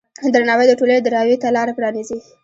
درناوی د ټولنې د راوي ته لاره پرانیزي.